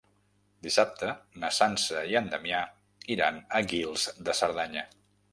Dissabte na Sança i en Damià iran a Guils de Cerdanya.